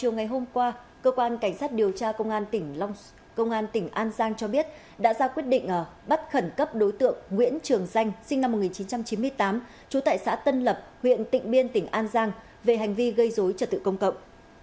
nguyễn trường danh sinh năm một nghìn chín trăm chín mươi tám trú tại xã tân lập huyện tịnh biên tỉnh an giang về hành vi gây dối trật tự công cộng